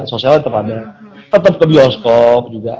sosial tetap ada tetap ke bioskop juga